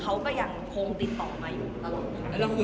เขาก็ยังโคลงติดออกมาอยู่